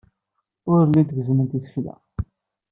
Ur llint gezzment isekla.